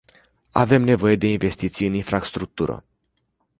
Avem nevoie de investiții în infrastructură.